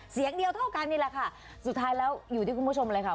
เสียงเดียวเท่ากันนี่แหละค่ะสุดท้ายแล้วอยู่ที่คุณผู้ชมเลยค่ะ